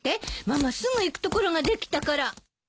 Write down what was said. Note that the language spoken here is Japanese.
ママすぐ行くところができたから。